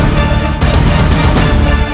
putri kita benar